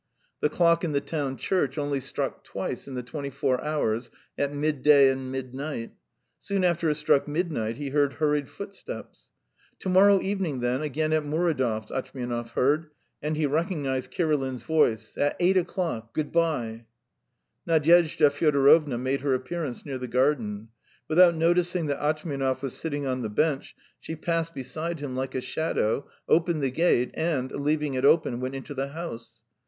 The clock in the town church only struck twice in the twenty four hours at midday and midnight. Soon after it struck midnight he heard hurried footsteps. "To morrow evening, then, again at Muridov's," Atchmianov heard, and he recognised Kirilin's voice. "At eight o'clock; good bye!" Nadyezhda Fyodorovna made her appearance near the garden. Without noticing that Atchmianov was sitting on the bench, she passed beside him like a shadow, opened the gate, and leaving it open, went into the house.